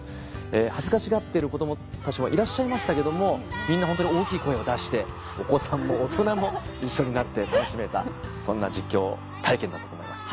恥ずかしがってる子どもたちもいらっしゃいましたけどもみんなホントに大きい声を出してお子さんも大人も一緒になって楽しめたそんな実況体験だったと思います。